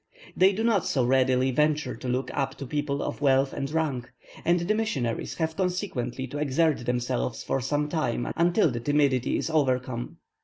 They do not so readily venture to look up to people of wealth or rank, and the missionaries have consequently to exert themselves for some time until this timidity is overcome.